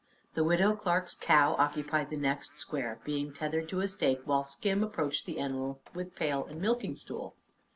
The Widow Clark's cow occupied the next square, being tethered to a stake while Skim approached the animal with pail and milking stool.